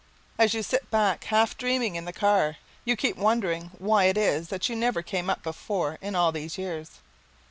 As you sit back half dreaming in the car, you keep wondering why it is that you never came up before in all these years.